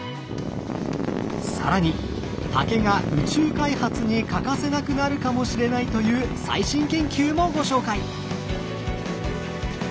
更に竹が宇宙開発に欠かせなくなるかもしれないという最新研究もご紹介！